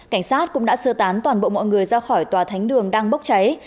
cảnh sát cũng đã sơ tán toàn bộ mọi người ra khỏi tòa thánh đường đang bốc cháy